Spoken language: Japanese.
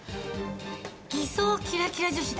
偽装キラキラ女子だ。